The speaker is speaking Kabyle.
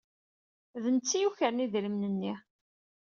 D netta ay yukren idrimen-nni.